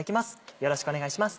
よろしくお願いします。